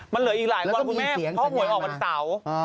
มันเหลืออีกหลายวันคุณแม่เพราะหวยออกวันเสาร์